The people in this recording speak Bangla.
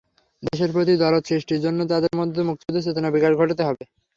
দেশের প্রতি দরদ সৃষ্টির জন্য তাদের মধ্যে মুক্তিযুদ্ধের চেতনার বিকাশ ঘটাতে হবে।